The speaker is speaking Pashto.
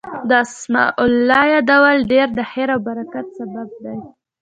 د اسماء الله يادول ډير د خير او برکت سبب دی